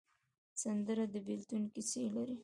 سندره د بېلتون کیسې لري